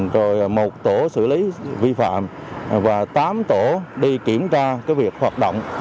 rồi một tổ xử lý vi phạm và tám tổ đi kiểm tra việc hoạt động